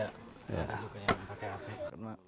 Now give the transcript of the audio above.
ada juga yang pakai hp